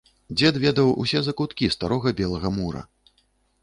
Дзед ведаў усе закуткі строгага белага мура.